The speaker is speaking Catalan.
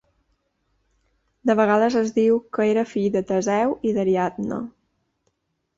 De vegades es diu que era fill de Teseu i d'Ariadna.